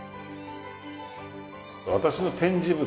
私の展示物がね